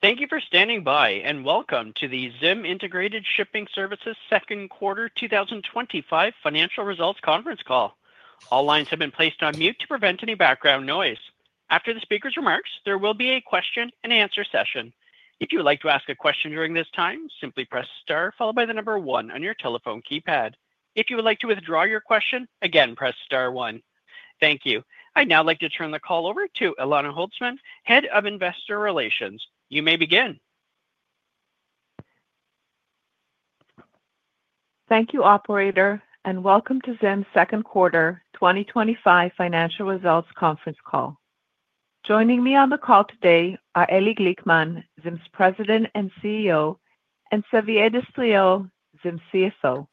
Thank you for standing by and welcome to the ZIM Integrated Shipping Services Second Quarter 2025 Financial Results Conference Call. All lines have been placed on mute to prevent any background noise. After the speaker's remarks, there will be a question-and-answer session. If you'd like to ask a question during this time, simply press star followed by the number one on your telephone keypad. If you would like to withdraw your question, again press star one. Thank you. I'd now like to turn the call over to Elana Holzman, Head of Investor Relations. You may begin. Thank you, operator, and welcome to ZIM's Second Quarter 2025 Financial Results Conference Call. Joining me on the call today are Eli Glickman, ZIM's President and CEO, and Xavier Destriau, ZIM's CFO.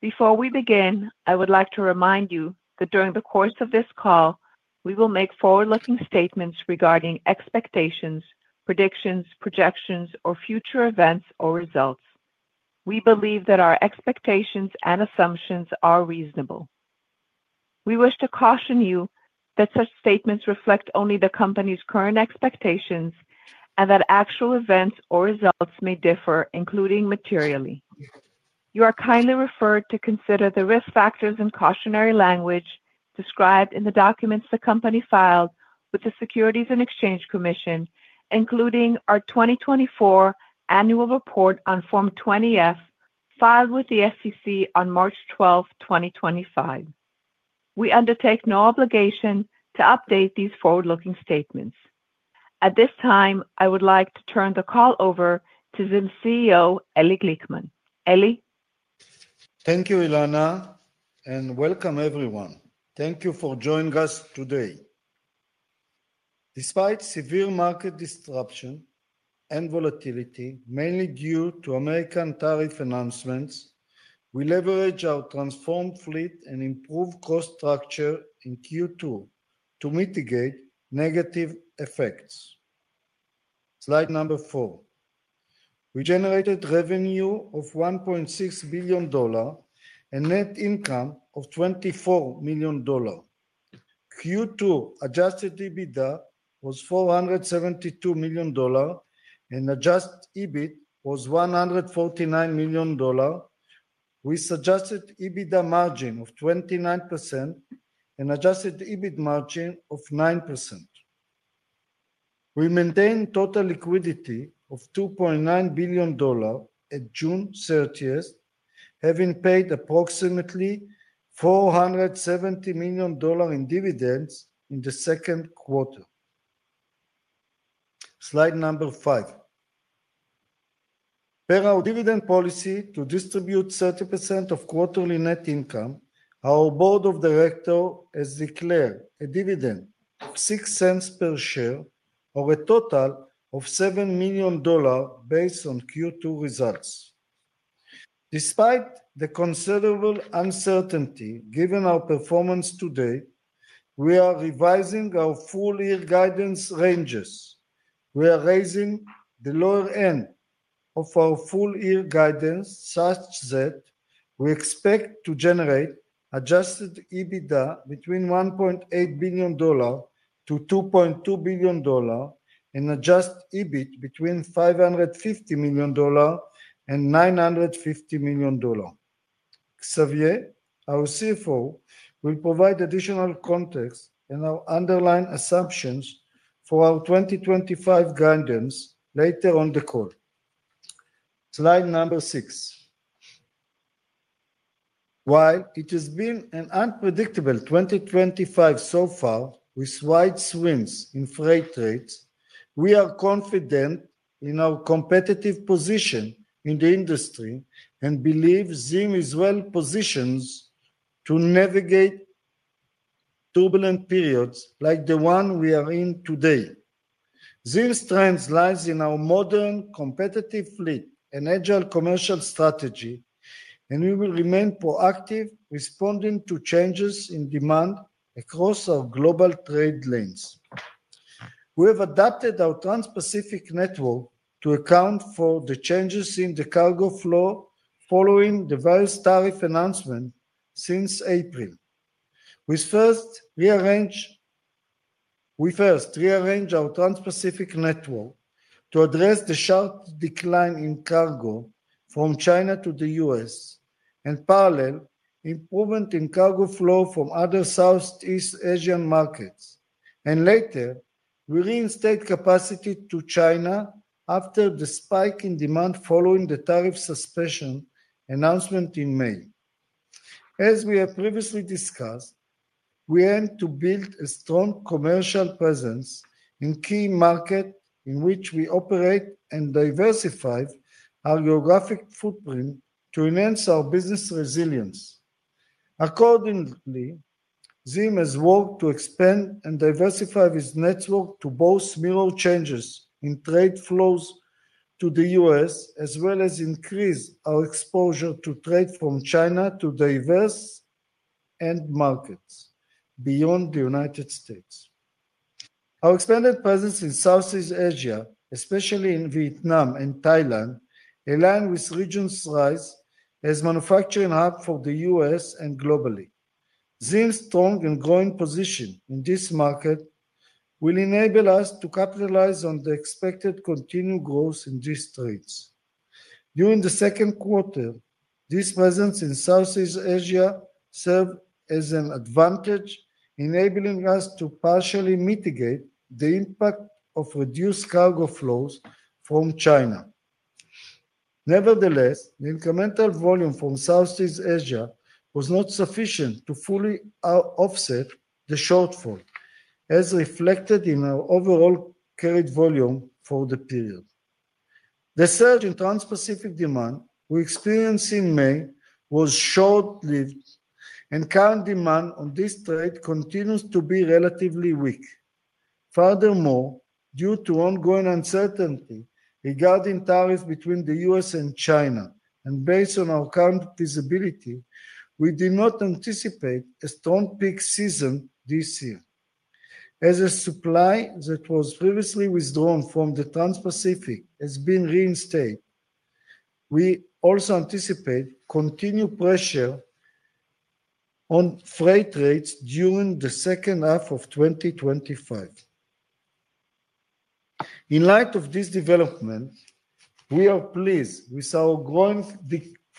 Before we begin, I would like to remind you that during the course of this call, we will make forward-looking statements regarding expectations, predictions, projections, or future events or results. We believe that our expectations and assumptions are reasonable. We wish to caution you that such statements reflect only the company's current expectations, and that actual events or results may differ, including materially. You are kindly referred to consider the risk factors and cautionary language described in the documents the company filed with the Securities and Exchange Commission, including our 2024 annual report on Form 20-F filed with the SEC on March 12th, 2025. We undertake no obligation to update these forward-looking statements. At this time, I would like to turn the call over to ZIM's CEO, Eli Glickman. Eli? Thank you, Elana, and welcome everyone. Thank you for joining us today. Despite severe market disruption and volatility, mainly due to American tariff announcements, we leveraged our transformed fleet and improved cost structure in Q2 to mitigate negative effects. Slide number four. We generated revenue of $1.6 billion and net income of $24 million. Q2 adjusted EBITDA was $472 million, and adjusted EBIT was $149 million. We suggested EBITDA margin of 29%, and adjusted EBIT margin of 9%. We maintained total liquidity of $2.9 billion at June 30th, having paid approximately $470 million in dividends in the second quarter. Slide number five. Per our dividend policy to distribute 30% of quarterly net income, our board of directors has declared a dividend of $0.06 per share or a total of $7 million based on Q2 results. Despite the considerable uncertainty, given our performance to date, we are revising our full-year guidance ranges. We are raising the lower end of our full-year guidance, such that we expect to generate adjusted EBITDA between $1.8 billion-$2.2 billion and adjusted EBIT between $550 million-$950 million. Xavier, our CFO, will provide additional context and our underlying assumptions for our 2025 guidance later on the call. Slide number six. While it has been an unpredictable 2025 so far with wide swings in freight rates, we are confident in our competitive position in the industry and believe ZIM is well-positioned to navigate turbulent periods like the one we are in today. ZIM's strength lies in our modern competitive fleet and agile commercial strategy, and we will remain proactive, responding to changes in demand across our global trade lanes. We have adapted our Trans-Pacific Network, to account for the changes in the cargo flow following the various tariff announcements since April. We first rearranged our Trans-Pacific Network to address the sharp decline in cargo from China to the U.S. and parallel, improvement in cargo flow from other Southeast Asian markets. Later, we reinstated capacity to China after the spike in demand, following the tariff suspension announcement in May. As we have previously discussed, we aim to build a strong commercial presence in key markets in which we operate and diversify our geographic footprint to enhance our business resilience. Accordingly, ZIM has worked to expand and diversify its network, to boost mirror changes in trade flows to the U.S., as well as increase our exposure to trade from China to diverse end markets beyond the United States. Our expanded presence in Southeast Asia, especially in Vietnam and Thailand, aligns with the region's rise as a manufacturing hub for the U.S. and globally. ZIM's strong and growing position in this market will enable us to capitalize on the expected continued growth in these trades. During the second quarter, this presence in Southeast Asia served as an advantage, enabling us to partially mitigate the impact of reduced cargo flows from China. Nevertheless, the incremental volume from Southeast Asia was not sufficient to fully offset the shortfall, as reflected in our overall carried volume for the period. The surge in Trans-Pacific demand we experienced in May was short-lived, and current demand on this trade continues to be relatively weak. Furthermore, due to ongoing uncertainty regarding tariffs between the U.S. and China, and based on our current feasibility, we did not anticipate a strong peak season this year. As supply that was previously withdrawn from the Trans-Pacific has been reinstated, we also anticipate continued pressure on freight rates during the second half of 2025. In light of these developments, we are pleased with our growing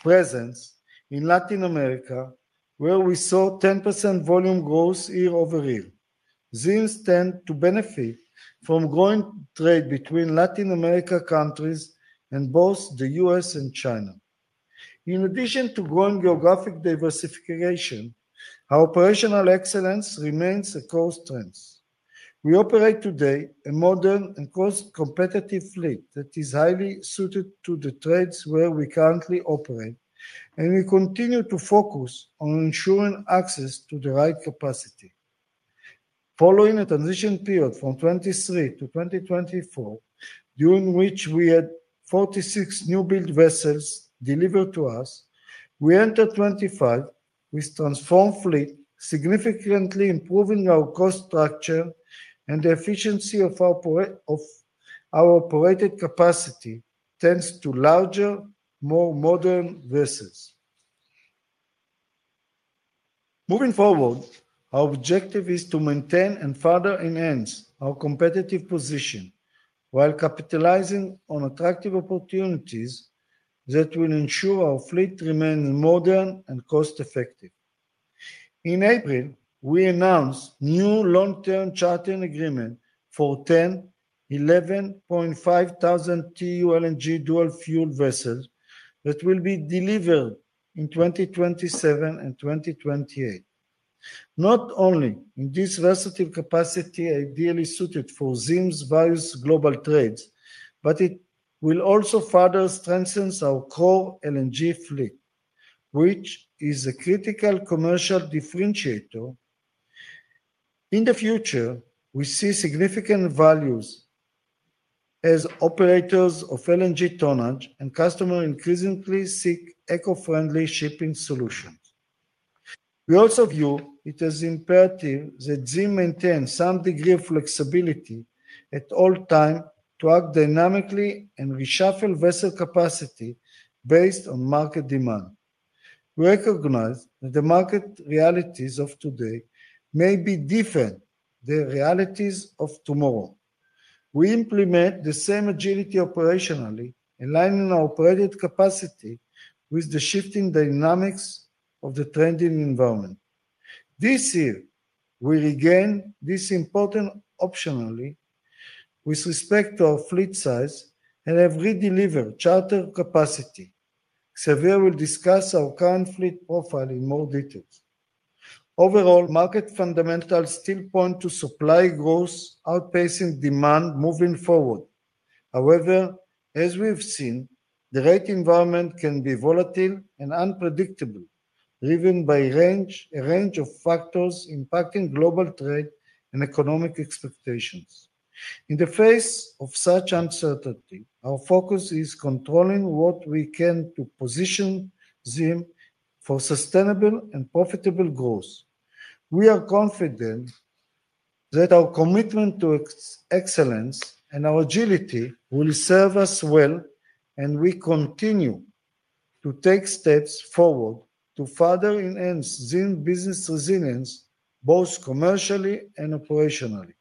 presence in Latin America, where we saw 10% volume growth year-over-year. ZIM stands to benefit from growing trade between Latin American countries and both the U.S. and China. In addition to growing geographic diversification, our operational excellence remains a core strength. We operate today a modern and cost-competitive fleet that is highly suited to the trades where we currently operate, and we continue to focus on ensuring access to the right capacity. Following a transition period from 2023-2024, during which we had 46 newbuild vessels delivered to us, we entered 2025 with a transformed fleet, significantly improving our cost structure and the efficiency of our operating capacity thanks to larger, more modern vessels. Moving forward, our objective is to maintain and further enhance our competitive position, while capitalizing on attractive opportunities that will ensure our fleet remains modern and cost-effective. In April, we announced new long-term chartering agreements for 10, 11,500 TEU LNG dual-fuel vessels that will be delivered in 2027 and 2028. Not only is this versatile capacity ideally suited for ZIM's various global trades, but it will also further strengthen our core LNG fleet, which is a critical commercial differentiator. In the future, we see significant values as operators of LNG tonnage, and customers increasingly seek eco-friendly shipping solutions. We also view it as imperative that ZIM maintain some degree of flexibility at all times, to act dynamically and reshuffle vessel capacity based on market demand. We recognize that the market realities of today may be different than the realities of tomorrow. We implement the same agility operationally, aligning our operating capacity with the shifting dynamics of the trending environment. This year, we regain this important optionality with respect to our fleet size, and have redelivered charter capacity. Xavier will discuss our current fleet profile in more details. Overall, market fundamentals still point to supply growth outpacing demand moving forward. However, as we've seen, the rate environment can be volatile and unpredictable, driven by a range of factors impacting global trade and economic expectations. In the face of such uncertainty, our focus is on controlling what we can to position ZIM for sustainable and profitable growth. We are confident that our commitment to excellence and our agility will serve us well, and we continue to take steps forward to further enhance ZIM's business resilience, both commercially and operationally.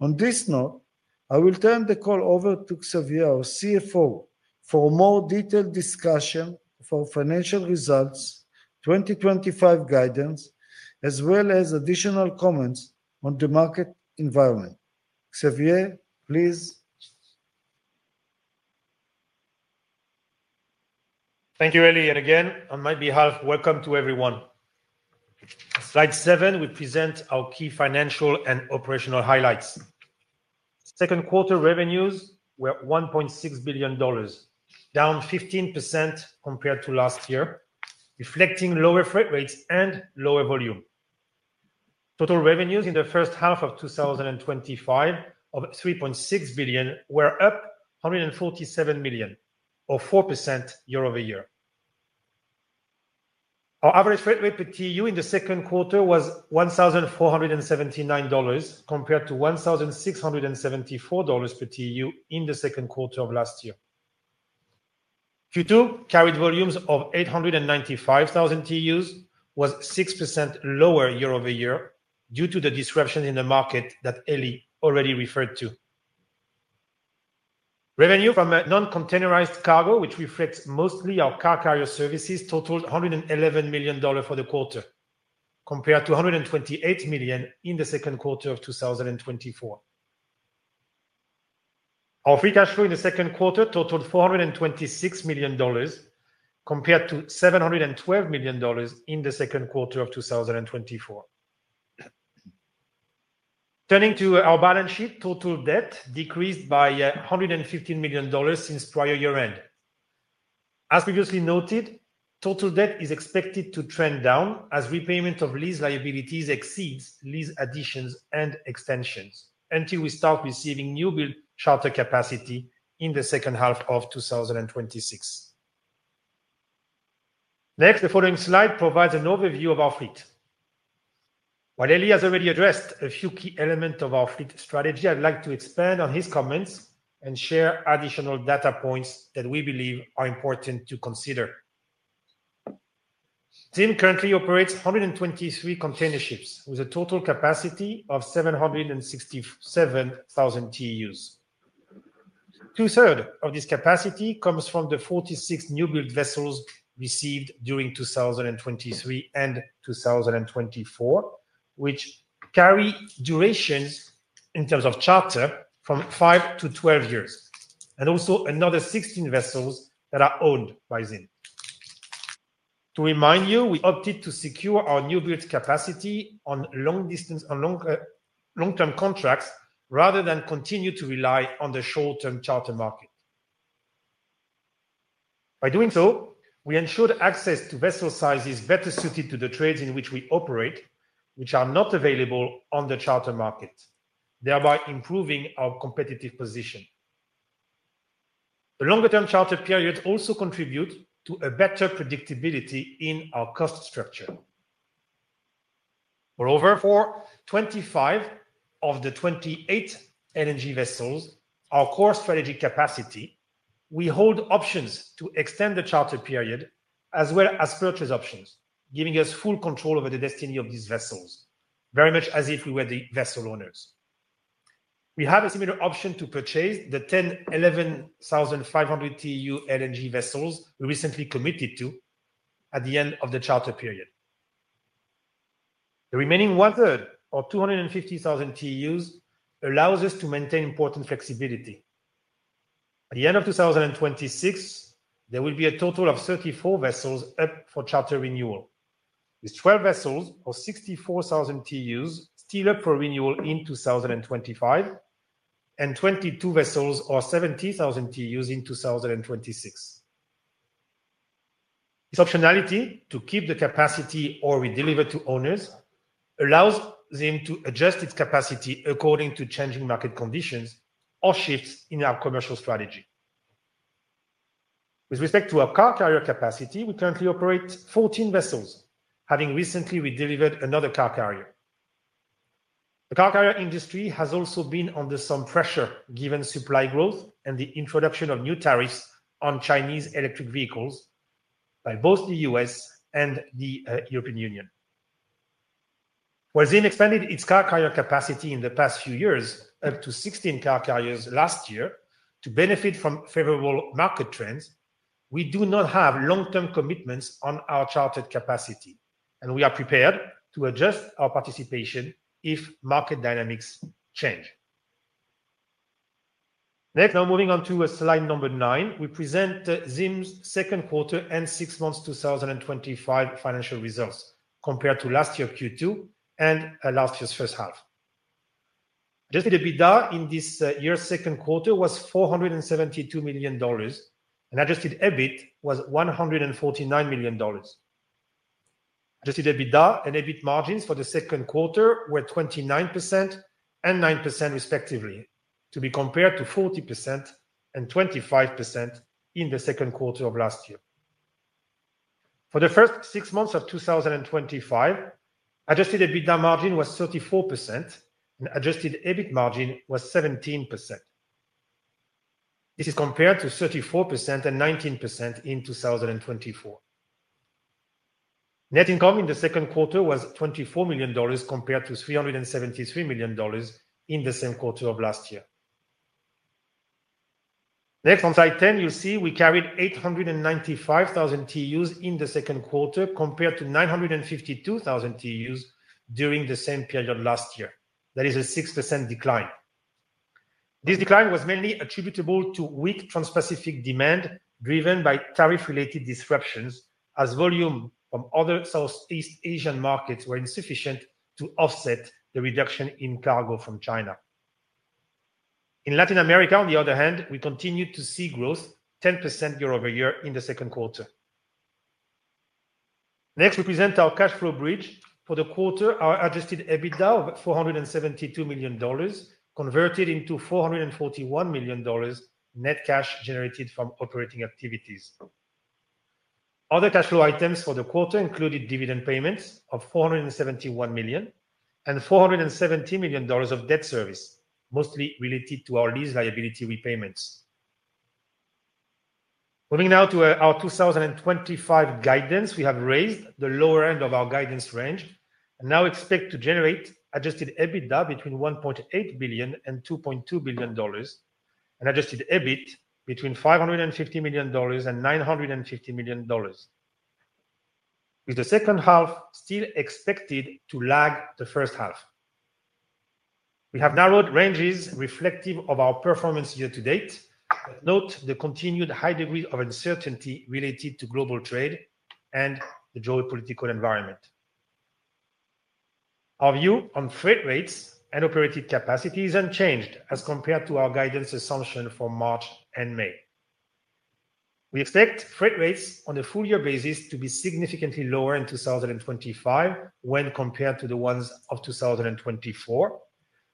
On this note, I will turn the call over to Xavier, our CFO, for a more detailed discussion of our financial results, 2025 guidance, as well as additional comments on the market environment. Xavier, please. Thank you, Eli, and again, on my behalf, welcome to everyone. Slide seven, we present our key financial and operational highlights. Second quarter revenues were $1.6 billion, down 15% compared to last year, reflecting lower freight rates and lower volume. Total revenues in the first half of 2025 of $3.6 billion were up $147 million, or 4% year-over-year. Our average freight rate per TEU in the second quarter was $1,479 compared to $1,674 per TEU in the second quarter of last year. Q2 carried volumes of 895,000 TEUs, was 6% lower year-over-year due to the disruption in the market that Eli already referred to. Revenue from a non-containerized cargo, which reflects mostly our car carrier services, totaled $111 million for the quarter, compared to $128 million in the second quarter of 2024. Our free cash flow in the second quarter totaled $426 million, compared to $712 million in the second quarter of 2024. Turning to our balance sheet, total debt decreased by $115 million since prior year-end. As previously noted, total debt is expected to trend down as repayment of lease liabilities exceeds lease additions and extensions, until we start receiving newbuild charter capacity in the second half of 2026. Next, the following slide provides an overview of our fleet. While Eli has already addressed a few key elements of our fleet strategy, I'd like to expand on his comments and share additional data points that we believe are important to consider. ZIM currently operates 123 container ships with a total capacity of 767,000 TEUs. Two-thirds of this capacity comes from the 46 newbuild vessels received during 2023 and 2024, which carry durations in terms of charter from five to 12 years, and also another 16 vessels that are owned by ZIM. To remind you, we opted to secure our newbuild capacity on long-term contracts rather than continue to rely on the short-term charter market. By doing so, we ensured access to vessel sizes better suited to the trades in which we operate, which are not available on the charter market, thereby improving our competitive position. The longer-term charter periods also contribute to a better predictability in our cost structure. Moreover, for 25 of the 28 LNG vessels, our core strategic capacity, we hold options to extend the charter period as well as purchase options, giving us full control over the destiny of these vessels, very much as if we were the vessel owners. We have a similar option to purchase the 10, 11,500 TEU LNG vessels we recently committed to at the end of the charter period. The remaining 1/3 or 250,000 TEUs allows us to maintain important flexibility. At the end of 2026, there will be a total of 34 vessels up for charter renewal, with 12 vessels or 64,000 TEUs still up for renewal in 2025, and 22 vessels or 70,000 TEUs in 2026. This optionality to keep the capacity or re-deliver to owners allows ZIM to adjust its capacity according to changing market conditions or shifts in our commercial strategy. With respect to our car carrier capacity, we currently operate 14 vessels, having recently re-delivered another car carrier. The car carrier industry has also been under some pressure, given supply growth and the introduction of new tariffs on Chinese electric vehicles by both the U.S. and the European Union. While ZIM expanded its car carrier capacity in the past few years up to 16 car carriers last year, to benefit from favorable market trends, we do not have long-term commitments on our chartered capacity and we are prepared to adjust our participation if market dynamics change. Next, now moving on to slide number nine, we present ZIM's second quarter and six months 2025 financial results compared to last year's Q2 and last year's first half. Adjusted EBITDA in this year's second quarter was $472 million, and adjusted EBIT was $149 million. Adjusted EBITDA and EBIT margins for the second quarter were 29% and 9% respectively, to be compared to 40% and 25% in the second quarter of last year. For the first six months of 2025, adjusted EBITDA margin was 34%, and adjusted EBIT margin was 17%. This is compared to 34% and 19% in 2024. Net income in the second quarter was $24 million, compared to $373 million in the same quarter of last year. Next, on slide 10, you'll see we carried 895,000 TEUs in the second quarter compared to 952,000 TEUs during the same period last year. That is a 6% decline. This decline was mainly attributable to weak Trans-Pacific demand driven by tariff-related disruptions, as volume from other Southeast Asian markets were insufficient to offset the reduction in cargo from China. In Latin America, on the other hand, we continued to see growth, 10% year-over-year in the second quarter. Next, we present our cash flow bridge for the quarter, our adjusted EBITDA of $472 million, converted into $441 million net cash generated from operating activities. Other cash flow items for the quarter included dividend payments of $471 million and $417 million of debt service, mostly related to our lease liability repayments. Moving now to our 2025 guidance, we have raised the lower end of our guidance range, and now expect to generate adjusted EBITDA between $1.8 billion-$2.2 billion, and adjusted EBIT between $550 million-$950 million. With the second half still expected to lag the first half, we have narrowed ranges reflective of our performance year to date. Note the continued high degree of uncertainty related to global trade and the geopolitical environment. Our view on freight rates and operating capacity is unchanged as compared to our guidance assumption from March and May. We expect freight rates on a full-year basis to be significantly lower in 2025 when compared to the ones of 2024,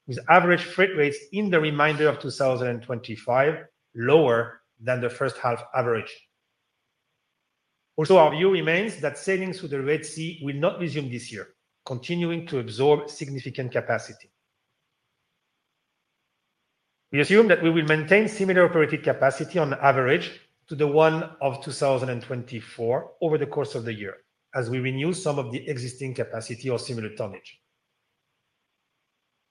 with average freight rates in the remainder of 2025 lower than the first half average. Also, our view remains that sailing through the Red Sea will not resume this year, continuing to absorb significant capacity. We assume that we will maintain similar operating capacity on average to the one of 2024 over the course of the year, as we renew some of the existing capacity or similar tonnage.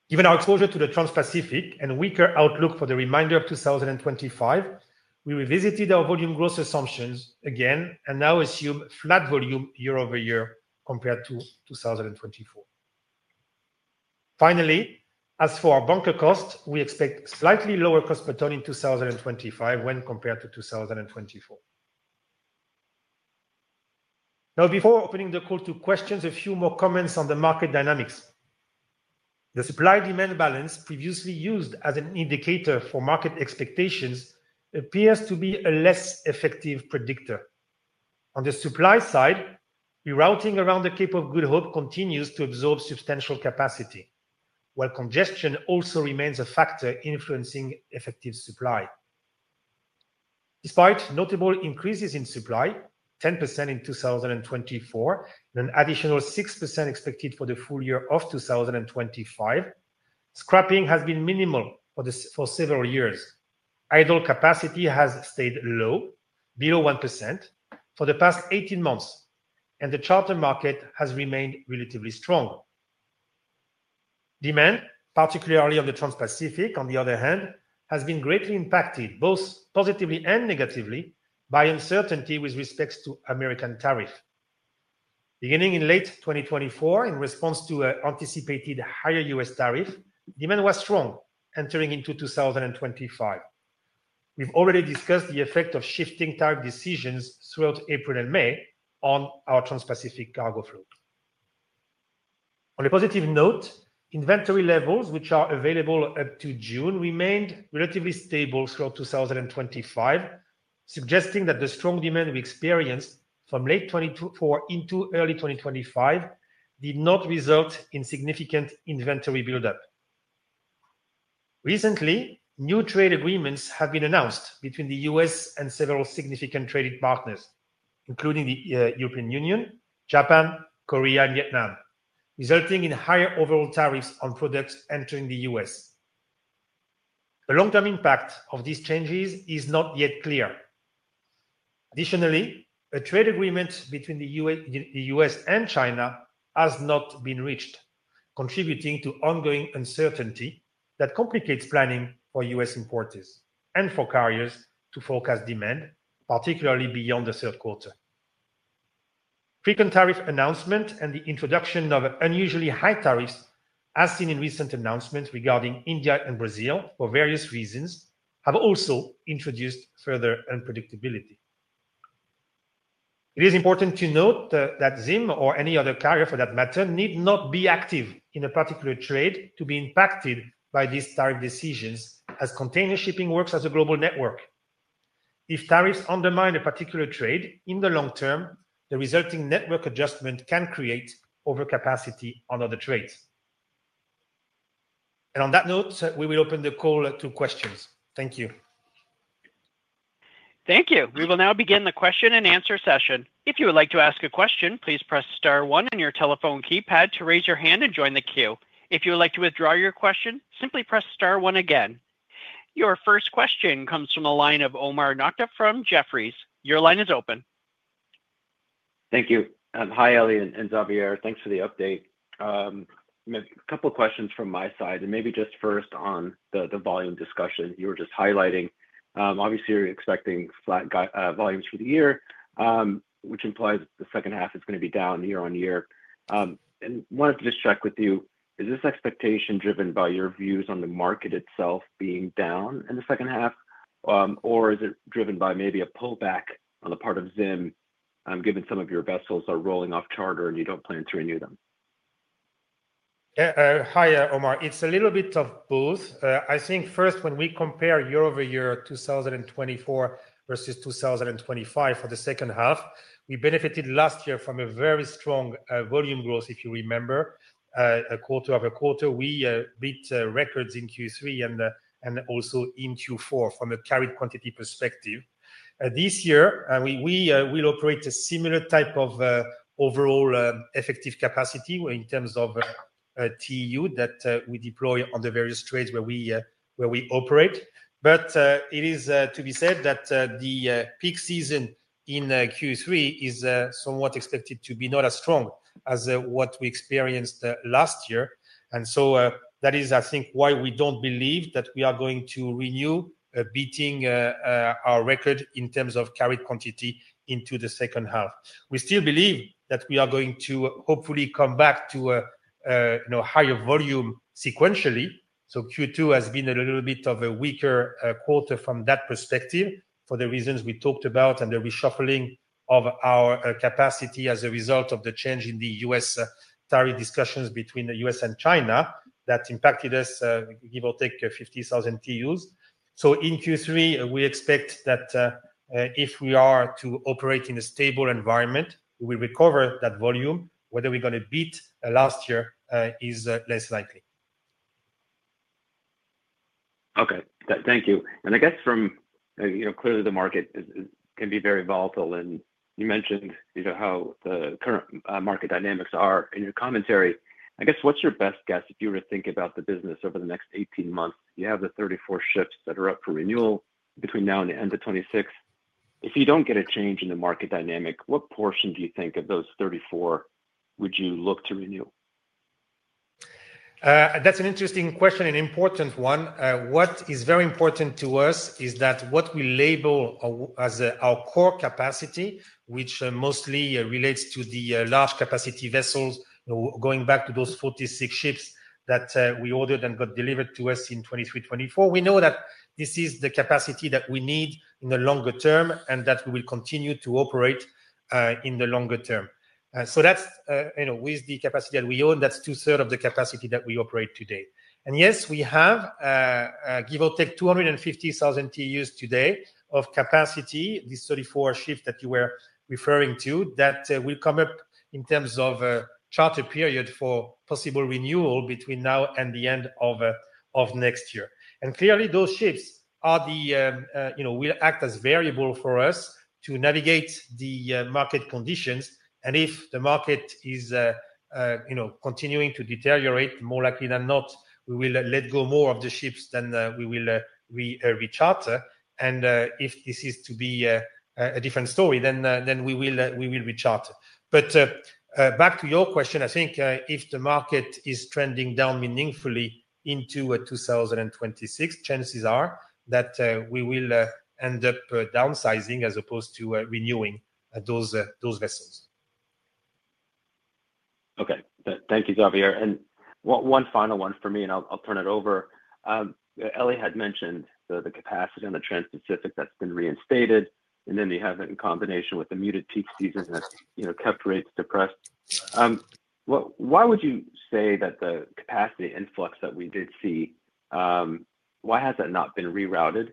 Given our exposure to the Trans-Pacific and weaker outlook for the remainder of 2025, we revisited our volume growth assumptions again and now assume flat volume year-over-year compared to 2024. Finally, as for our bunker costs, we expect slightly lower cost per ton in 2025 when compared to 2024. Now, before opening the call to questions, a few more comments on the market dynamics. The supply-demand balance previously used as an indicator for market expectations appears to be a less effective predictor. On the supply side, rerouting around the Cape of Good Hope continues to absorb substantial capacity, while congestion also remains a factor influencing effective supply. Despite notable increases in supply, 10% in 2024 and an additional 6% expected for the full year of 2025, scrapping has been minimal for several years. Idle capacity has stayed low, below 1%, for the past 18 months and the charter market has remained relatively strong. Demand, particularly on the Trans-Pacific, on the other hand, has been greatly impacted both positively and negatively by uncertainty with respect to the American tariffs. Beginning in late 2024, in response to an anticipated higher U.S. tariff, demand was strong entering into 2025. We've already discussed the effect of shifting tariff decisions throughout April and May on our Trans-Pacific cargo flow. On a positive note, inventory levels, which are available up to June, remained relatively stable throughout 2025, suggesting that the strong demand we experienced from late 2024 into early 2025 did not result in significant inventory buildup. Recently, new trade agreements have been announced between the U.S. and several significant trade partners, including the European Union, Japan, Korea, and Vietnam, resulting in higher overall tariffs on products entering the U.S. The long-term impact of these changes is not yet clear. Additionally, a trade agreement between the U.S. and China has not been reached, contributing to ongoing uncertainty that complicates planning for U.S. importers, and for carriers to forecast demand particularly beyond the third quarter. Frequent tariff announcements and the introduction of unusually high tariffs, as seen in recent announcements regarding India and Brazil for various reasons, have also introduced further unpredictability. It is important to note that ZIM or any other carrier for that matter, need not be active in a particular trade to be impacted by these tariff decisions, as container shipping works as a global network. If tariffs undermine a particular trade in the long term, the resulting network adjustment can create overcapacity on other trades. On that note, we will open the call to questions. Thank you. Thank you. We will now begin the question-and-answer session. If you would like to ask a question, please press star one on your telephone keypad to raise your hand and join the queue. If you would like to withdraw your question, simply press star one again. Your first question comes from a line of Omar Nokta from Jefferies. Your line is open. Thank you. Hi, Eli and Xavier. Thanks for the update. A couple of questions from my side, maybe just first on the volume discussion you were just highlighting. Obviously, you're expecting flat volumes for the year, which implies the second half is going to be down year-on-year. I wanted to just check with you, is this expectation driven by your views on the market itself being down in the second half, or is it driven by maybe a pullback on the part of ZIM, given some of your vessels are rolling off charter and you don't plan to renew them? Hi, Omar. It's a little bit of both. I think first, when we compare year-over-year 2024 versus 2025 for the second half, we benefited last year from a very strong volume growth, if you remember, a quarter of a quarter. We beat records in Q3 and also in Q4 from a carried quantity perspective. This year, we will operate a similar type of overall effective capacity in terms of TEU that we deploy on the various trades where we operate. It is to be said that the peak season in Q3 is somewhat expected to be not as strong as what we experienced last year. That is I think why we don't believe that we are going to renew, beating our record in terms of carried quantity into the second half. We still believe that we are going to hopefully come back to a higher volume sequentially. Q2 has been a little bit of a weaker quarter from that perspective for the reasons we talked about, and the reshuffling of our capacity as a result of the change in the U.S. tariff discussions between the U.S. and China that impacted us, give or take 50,000 TEUs. In Q3, we expect that if we are to operate in a stable environment, we will recover that volume. Whether we're going to beat last year, it's less likely. Thank you. I guess, clearly the market can be very volatile. You mentioned how the current market dynamics are in your commentary. What's your best guess if you were to think about the business over the next 18 months? You have the 34 ships that are up for renewal between now and the end of 2026. If you don't get a change in the market dynamic, what portion do you think of those 34 would you look to renew? That's an interesting question and an important one. What is very important to us is that what we label as our core capacity, which mostly relates to the large capacity vessels, going back to those 46 ships that we ordered and got delivered to us in 2023, 2024, we know that this is the capacity that we need in the longer term and that we will continue to operate in the longer term. With the capacity that we own, that's 2/3 of the capacity that we operate today. Yes, we have, give or take 250,000 TEUs today of capacity, these 34 ships that you were referring to, that will come up in terms of a charter period for possible renewal between now and the end of next year. Clearly, those ships will act as variables for us to navigate the market conditions. If the market is continuing to deteriorate, more likely than not, we will let go more of the ships than we will recharter. If this is to be a different story, then we will recharter. Back to your question, I think if the market is trending down meaningfully into 2026, chances are that we will end up downsizing as opposed to renewing those vessels. Okay. Thank you, Xavier. One final one for me, and I'll turn it over. Eli had mentioned the capacity on the Trans-Pacific that's been reinstated, and then you have it in combination with the muted peak season that kept rates depressed. The capacity influx that we did see, why has that not been rerouted?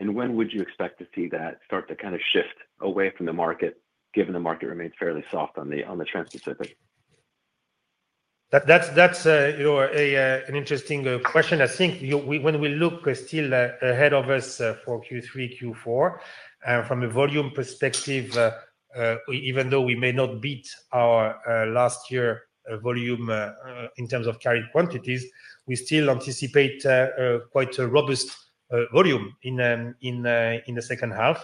When would you expect to see that start to kind of shift away from the market, given the market remains fairly soft on the Trans-Pacific? That's an interesting question. I think when we look still ahead of us for Q3, Q4, from a volume perspective, even though we may not beat our last year volume in terms of carried quantities, we still anticipate quite a robust volume in the second half.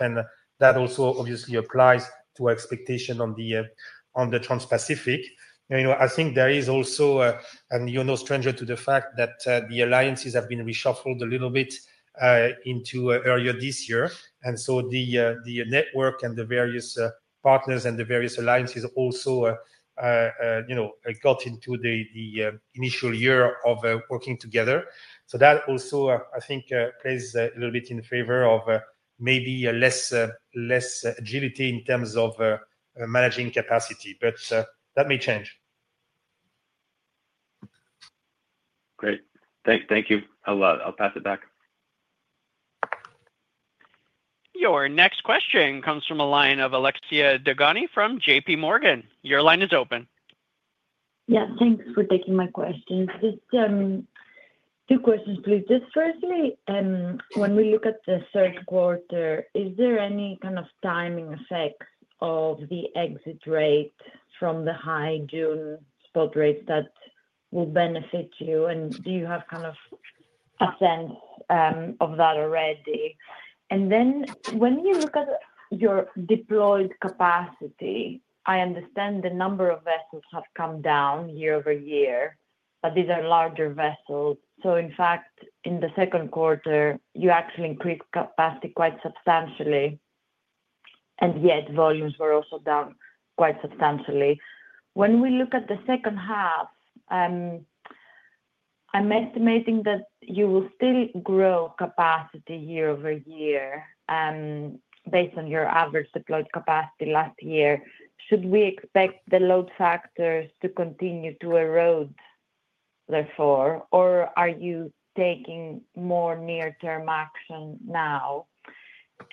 That also obviously applies to our expectation on the Trans-Pacific. I think there is also, and you're no stranger to the fact that the alliances have been reshuffled a little bit earlier this year. The network and the various partners and the various alliances also got into the initial year of working together. That also I think plays a little bit in favor of maybe less agility in terms of managing capacity. That may change. Great, thank you. I'll pass it back. Your next question comes from the line of Alexia Degani from JPMorgan. Your line is open. Yes, thanks for taking my question. Just two questions, please. Firstly, when we look at the third quarter, is there any kind of timing effect of the exit rate from the high June spot rates that will benefit you? Do you have a sense of that already? When you look at your deployed capacity, I understand the number of vessels have come down year over year, but these are larger vessels. In fact, in the second quarter, you actually increased capacity quite substantially, and yet volumes were also down quite substantially. When we look at the second half, I'm estimating that you will still grow capacity year-over-year based on your average deployed capacity last year. Should we expect the load factors to continue to erode therefore, or are you taking more near-term action now?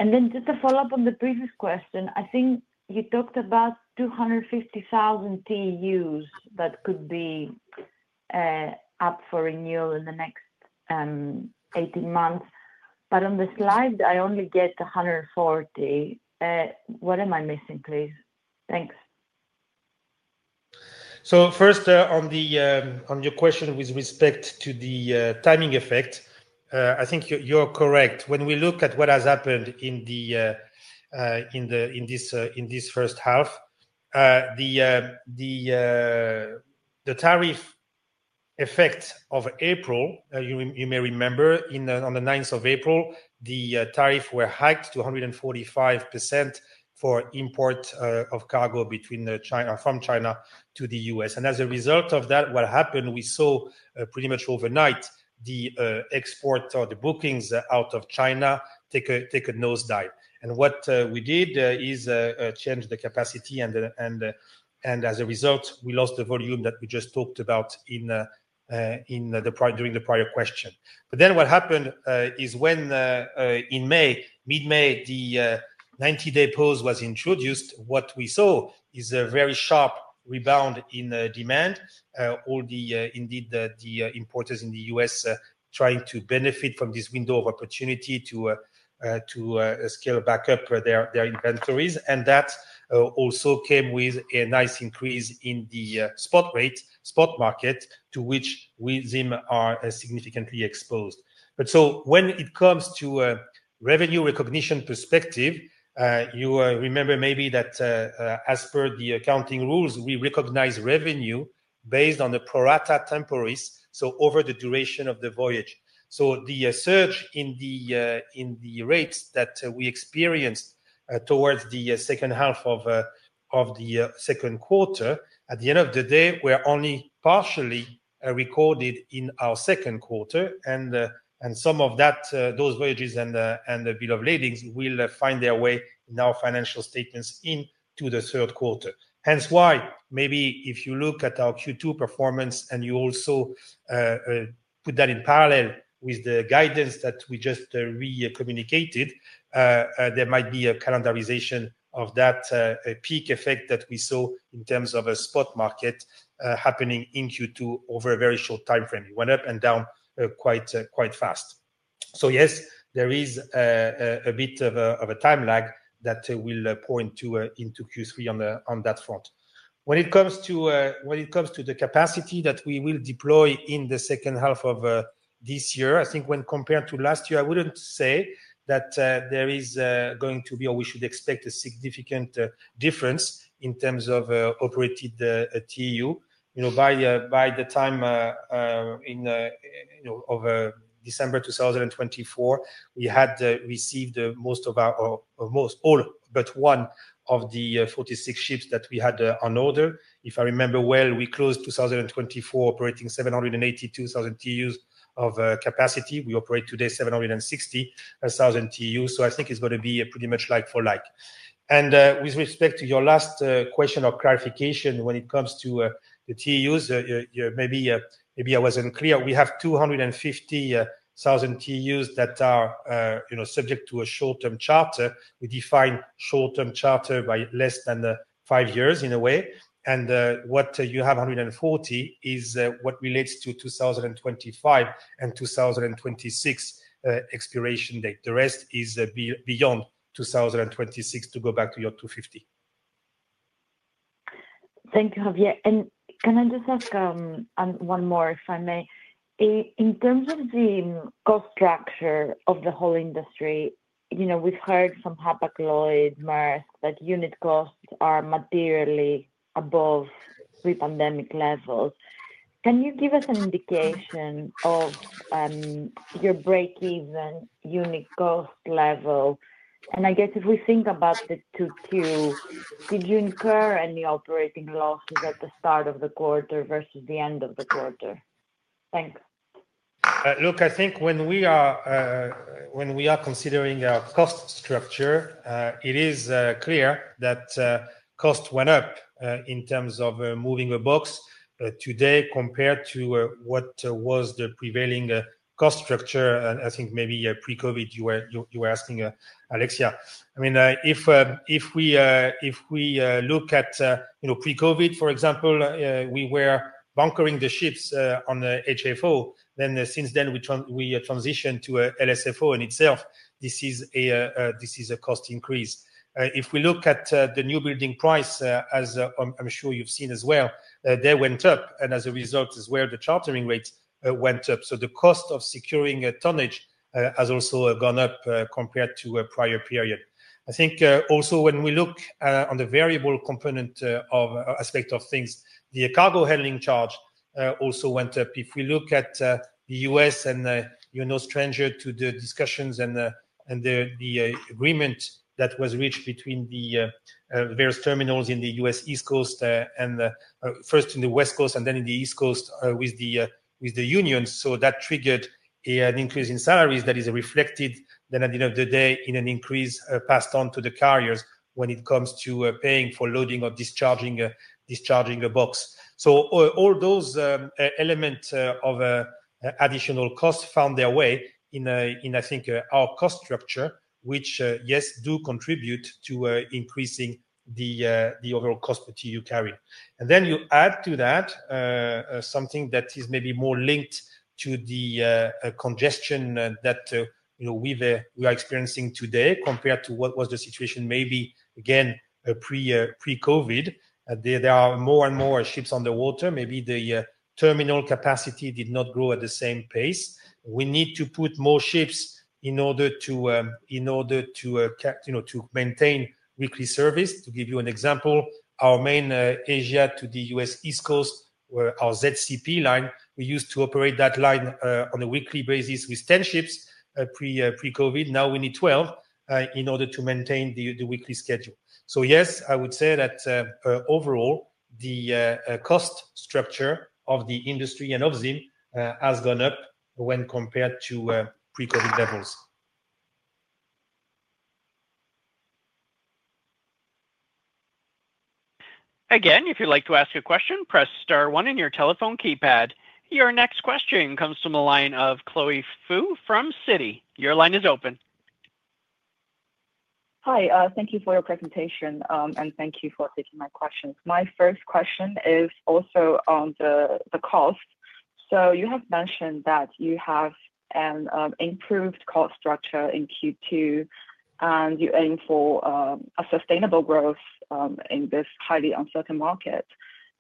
Just to follow up on the previous question, I think you talked about 250,000 TEUs that could be up for renewal in the next 18 months. On the slide, I only get 140. What am I missing, please? Thanks. First, on your question with respect to the timing effect, I think you're correct. When we look at what has happened in this first half, the tariff effect of April, you may remember, on April 9, the tariffs were hiked to 145% for an import of cargo from China to the U.S. As a result of that, what happened, we saw pretty much overnight the export or the bookings out of China take a nosedive. What we did is change the capacity. As a result, we lost the volume that we just talked about during the prior question. What happened is when in mid-May, the 90-day pause was introduced, what we saw a very sharp rebound in demand. All, indeed, the importers in the U.S. trying to benefit from this window of opportunity to scale back up their inventories. That also came with a nice increase in the spot market to which we, ZIM are significantly exposed. When it comes to a revenue recognition perspective, you remember maybe that as per the accounting rules, we recognize revenue based on the prorata temporis, so over the duration of the voyage. The surge in the rates that we experienced towards the second half of the second quarter, at the end of the day, were only partially recorded in our second quarter. Some of those voyages and the bill of ladings will find their way in our financial statements into the third quarter. Hence why maybe if you look at our Q2 performance and you also put that in parallel with the guidance that we just recommunicated, there might be a calendarization of that peak effect that we saw in terms of a spot market happening in Q2 over a very short time frame. It went up and down quite fast. Yes, there is a bit of a time lag that will pour into Q3 on that front. When it comes to the capacity that we will deploy in the second half of this year, I think when compared to last year, I wouldn't say that there is going to be, or we should expect a significant difference in terms of operated TEU. Over December 2024, we had received all but one of the 46 ships that we had on order. If I remember well, we closed 2024 operating 782,000 TEUs of capacity. We operate today 760,000 TEUs. I think it's going to be pretty much like for like. With respect to your last question or clarification, when it comes to the TEUs, maybe I was unclear., we have 250,000 TEUs that are subject to a short-term charter. We define short-term charter by less than five years in a way. What you have, 140 is what relates to 2025 and 2026 expiration date. The rest is beyond 2026 to go back to your 250. Thank you, Xavier. Can I just ask one more, if I may? In terms of the cost structure of the whole industry, we've heard from Hapag-Lloyd, Maersk that unit costs are materially above pre-pandemic levels. Can you give us an indication of your break-even unit cost level? I guess if we think about Q2, did you incur any operating losses at the start of the quarter versus the end of the quarter? Thanks. Look, I think when we are considering our cost structure, it is clear that costs went up in terms of moving a box today compared to what was the prevailing cost structure. I think maybe pre-COVID, you were asking Alexia. If we look at pre-COVID for example, we were bunkering the ships on HFO. Since then, we transitioned to LSFO in itself. This is a cost increase. If we look at the new building price, as I'm sure you've seen as well, they went up. As a result, as well the chartering rate went up. The cost of securing a tonnage has also gone up compared to a prior period. I think also when we look on the variable component aspect of things, the cargo handling charge also went up. If we look at the U.S., and you're no stranger to the discussions and the agreement that was reached between the various terminals in the U.S., first in the West Coast and then in the East Coast with the unions, that triggered an increase in salaries that is reflected then at the end of the day in an increase passed on to the carriers when it comes to paying for loading or discharging a box. All those elements of additional costs found their way in I think our cost structure, which yes, do contribute to increasing the overall cost per TEU carry. You add to that something that is maybe more linked to the congestion that we are experiencing today, compared to what was the situation maybe again pre-COVID. There are more and more ships on the water. Maybe the terminal capacity did not grow at the same pace. We need to put more ships in order to maintain weekly service. To give you an example, our main Asia to the U.S. East Coast or our ZCP line, we used to operate that line on a weekly basis with 10 ships pre-COVID. Now we need 12 in order to maintain the weekly schedule. Yes, I would say that overall, the cost structure of the industry and of ZIM has gone up when compared to pre-COVID levels. Again, if you'd like to ask a question, press star one on your telephone keypad. Your next question comes from a line of Chloe Foo from Citi. Your line is open. Hi. Thank you for your presentation and thank you for taking my questions. My first question is also on the cost. You have mentioned that you have an improved cost structure in Q2, and you aim for sustainable growth in this highly uncertain market.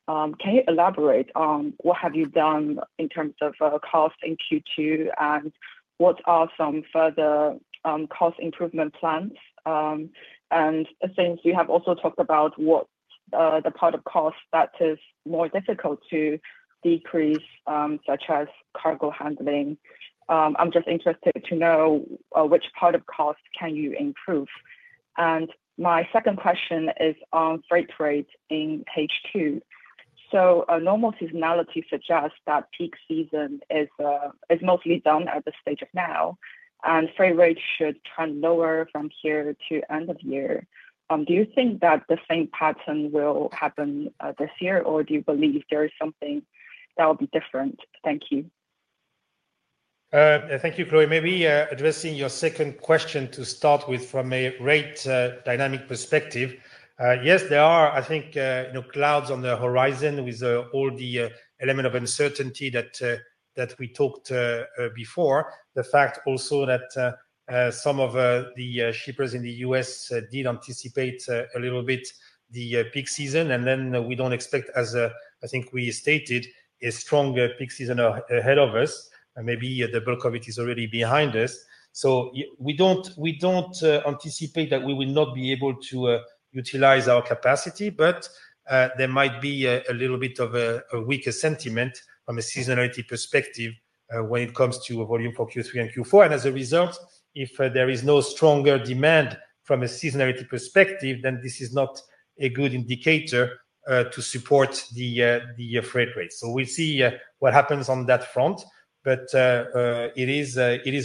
Can you elaborate, what you have done in terms of cost in Q2 and what are some further cost improvement plans? Since you have also talked about the part of cost that is more difficult to decrease, such as cargo handling, I'm just interested to know, which part of cost you can improve. My second question is on freight rate in page two. A normal seasonality suggests that peak season is mostly done at the stage of now, and freight rates should trend lower from here to end of year. Do you think that the same pattern will happen this year, or do you believe there is something that will be different? Thank you. Thank you, Chloe. Maybe addressing your second question to start with, from a rate dynamic perspective. Yes, there are I think clouds on the horizon with all the elements of uncertainty that we talked before. The fact also that some of the shippers in the U.S. did anticipate a little bit the peak season. We don't expect, as I think we stated, a strong peak season ahead of us. Maybe the bulk of it is already behind us. We don't anticipate that we will not be able to utilize our capacity, but there might be a little bit of a weaker sentiment from a seasonality perspective when it comes to volume for Q3 and Q4. As a result, if there is no stronger demand from a seasonality perspective, then this is not a good indicator to support the freight rate. We'll see what happens on that front. It is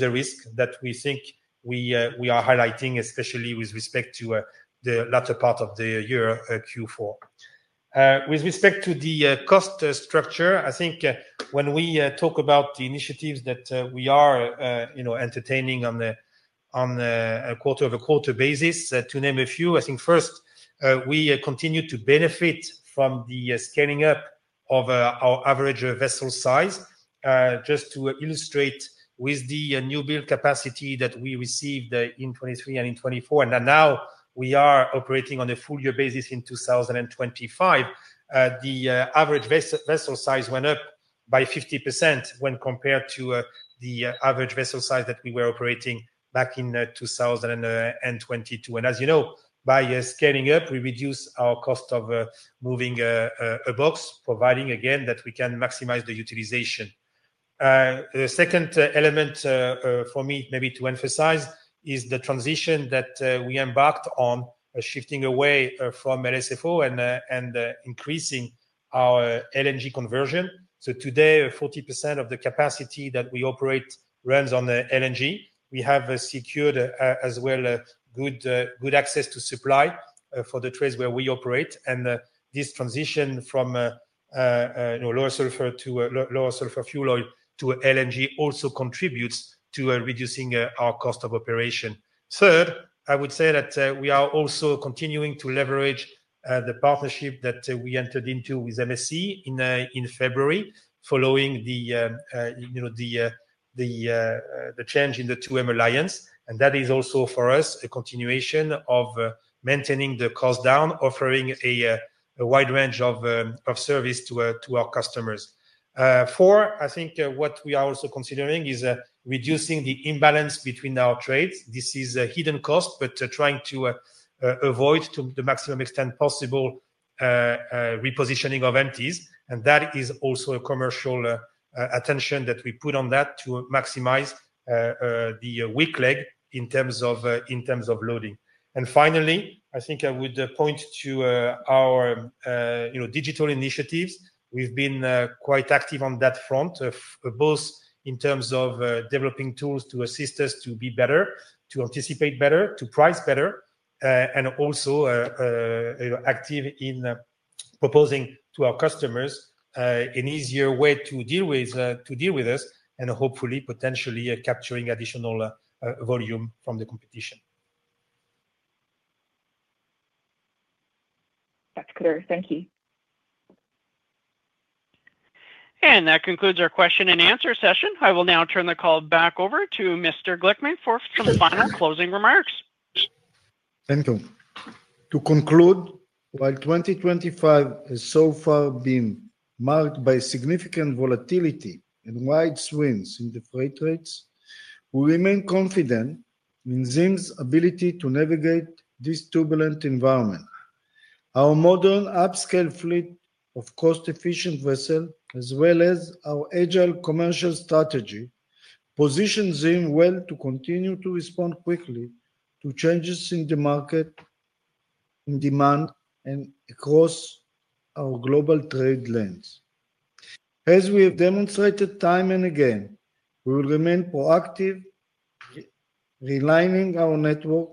a risk that we think we are highlighting, especially with respect to the latter part of the year, Q4. With respect to the cost structure, I think when we talk about the initiatives that we are entertaining on a quarter-over-quarter basis, to name a few, I think first we continue to benefit from the scaling up of our average vessel size. Just to illustrate, with the newbuild capacity that we received in 2023 and in 2024, and now we are operating on a full-year basis in 2025, the average vessel size went up by 50% when compared to the average vessel size that we were operating back in 2022. As you know, by scaling up, we reduce our cost of moving a box, providing again that we can maximize the utilization. The second element for me, maybe to emphasize, is the transition that we embarked on, shifting away from LSFO and increasing our LNG conversion. Today, 40% of the capacity that we operate runs on LNG. We have secured as well, good access to supply for the trades where we operate. This transition from lower sulfur fuel oil to LNG also contributes to reducing our cost of operation. Third, I would say that we are also continuing to leverage the partnership that we entered into with MSC in February, following the change in the 2M Alliance. That is also for us a continuation of maintaining the cost down, offering a wide range of service to our customers. Four, I think what we are also considering is reducing the imbalance between our trades. This is a hidden cost, but trying to avoid to the maximum extent possible repositioning of entities. That is also a commercial attention that we put on that to maximize the weak leg in terms of loading. Finally, I think I would point to our digital initiatives. We've been quite active on that front, both in terms of developing tools to assist us to be better, to anticipate better, to price better, and also active in proposing to our customers an easier way to deal with us and hopefully potentially capturing additional volume from the competition. That's clear. Thank you. That concludes our question-and-answer session. I will now turn the call back over to Mr. Glickman for some final closing remarks. Thank you. To conclude, while 2025 has so far been marked by significant volatility and wide swings in the freight rates, we remain confident in ZIM's ability to navigate this turbulent environment. Our modern upscale fleet of cost-efficient vessels, as well as our agile commercial strategy, position ZIM well to continue to respond quickly to changes in the market, in demand and across our global trade lanes. As we have demonstrated time and again, we will remain proactive, realigning our network,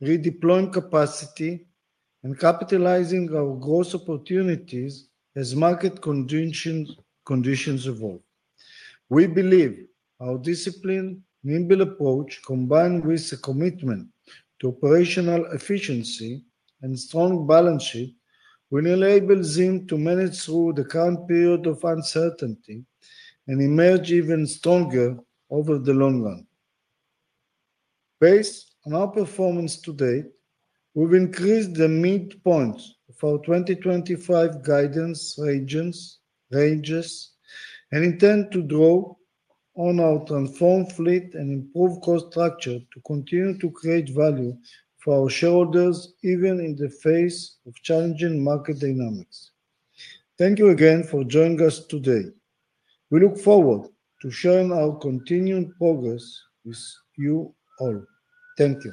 redeploying capacity and capitalizing our growth opportunities as market conditions evolve. We believe our disciplined, nimble approach, combined with a commitment to operational efficiency and strong balance sheet, will enable ZIM to manage through the current period of uncertainty and emerge even stronger over the long run. Based on our performance to date, we've increased the midpoints of our 2025 guidance ranges, and intend to draw on our transformed fleet and improve cost structure to continue to create value for our shareholders, even in the face of challenging market dynamics. Thank you again for joining us today. We look forward to sharing our continued progress with you all. Thank you.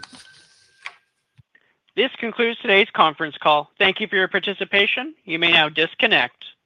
This concludes today's conference call. Thank you for your participation. You may now disconnect.